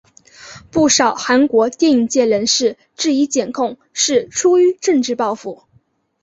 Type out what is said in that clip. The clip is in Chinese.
不少韩国电影界人士质疑检控是出于政治报复。